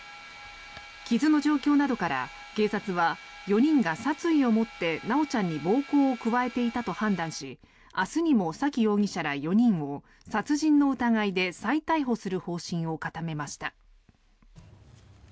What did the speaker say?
傷の状況などから警察は、４人が殺意を持って修ちゃんに暴行を加えていたと判断し明日にも沙喜容疑者ら４人を殺人の疑いで再逮捕する方針を固めました。